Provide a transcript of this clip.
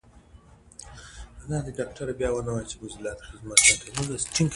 ښوونځی د ماشومانو لپاره د نظم ځای دی